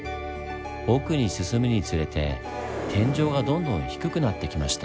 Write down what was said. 奥に進むにつれて天井がどんどん低くなってきました。